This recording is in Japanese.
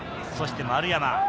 そして丸山。